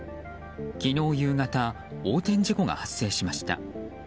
昨日夕方横転事故が発生しました。